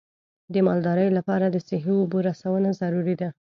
د مالدارۍ لپاره د صحي اوبو رسونه ضروري ده.